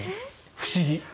不思議。